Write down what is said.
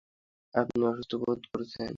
আপনি অসুস্থ বোধ করছেন?